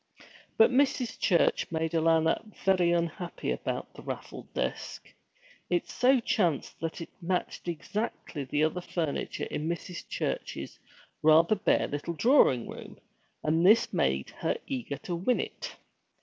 But Mrs. Church made Alanna very unhappy about the raffled desk. It so chanced that it matched exactly the other furniture in Mrs. Church's rather bare little drawing room, and this made her eager to win it.